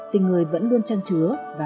tình người vẫn luôn trăng trứa và đẹp đẽ như vậy